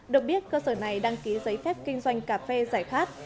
công an tp hcm đang ký giấy phép kinh doanh cà phê giải pháp